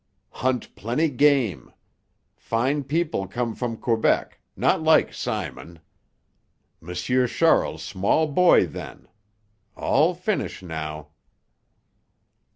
Hunt plenty game. Fine people come from Quebec, not like Simon. M'sieur Charles small boy then. All finish now."